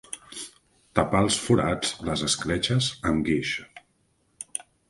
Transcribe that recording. Tapar els forats, les escletxes, amb guix.